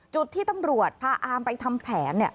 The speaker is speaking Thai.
จุดที่ตำรวจพาอามไปทำแผน